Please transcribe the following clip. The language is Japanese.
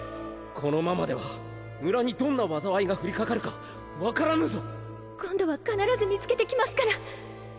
このままでは村にどんな災いが降りかかるかわからぬぞ今度は必ず見つけてきますか